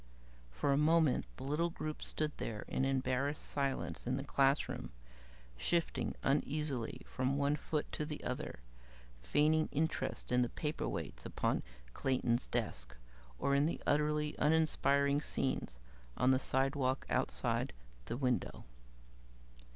For a moment, the little group stood there in embarrassed silence in the classroom, shifting uneasily from one foot to the other, feigning interest in the paperweights upon Clayton's desk, or in the utterly uninspiring scenes on the sidewalk outside the window.